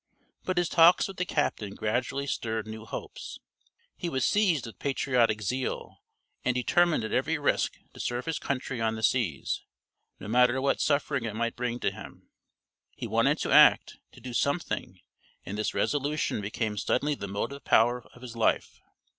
But his talks with the captain gradually stirred new hopes. He was seized with patriotic zeal and determined at every risk to serve his country on the seas, no matter what suffering it might bring to him. He wanted to act, to do something, and this resolution became suddenly the motive power of his life.